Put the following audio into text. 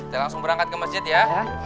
saya langsung berangkat ke masjid ya